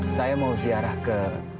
saya mau ziarah ke